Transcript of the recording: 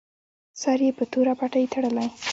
سر یې په توره پټۍ تړلی.